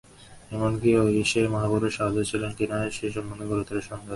এমন কি, সেই মহাপুরুষ আদৌ ছিলেন কিনা, সে-সম্বন্ধেই গুরুতর সন্দেহ থাকিতে পারে।